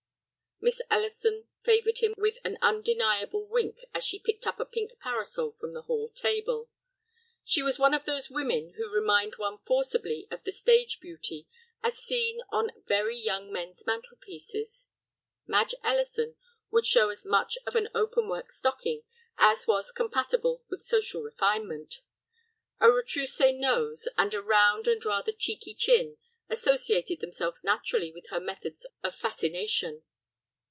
Miss Ellison favored him with an undeniable wink as she picked up a pink parasol from the hall table. She was one of those women who remind one forcibly of the stage beauty as seen on very young men's mantel pieces. Madge Ellison would show as much of an open work stocking as was compatible with social refinement. A retroussé nose and a round and rather cheeky chin associated themselves naturally with her methods of fascination.